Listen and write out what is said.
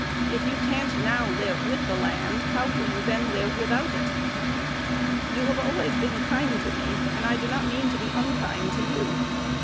If you can't now live with the land, how will you then live without it? You have always been kind to me, and I do not mean to be unkind to you.